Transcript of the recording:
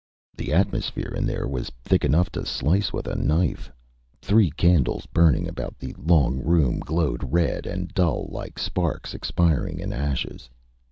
The atmosphere in there was thick enough to slice with a knife. Three candles burning about the long room glowed red and dull like sparks expiring in ashes.